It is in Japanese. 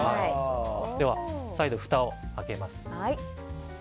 では、再度ふたを開けます。